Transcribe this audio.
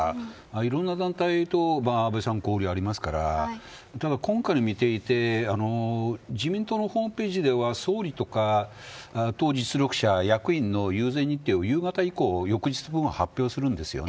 いろんな団体と安倍さん交流ありますからただ今回のを見ていて自民党のホームページでは総理とか役員の遊説日程を夕方以降翌日に発表するんです。